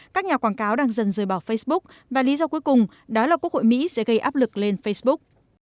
các nhà quảng cáo đang dần rời bỏ facebook và lý do cuối cùng đó là quốc hội mỹ sẽ gây áp lực lên facebook